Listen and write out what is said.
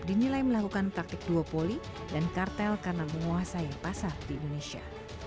dinilai melakukan praktik duopoli dan kartel karena menguasai pasar di indonesia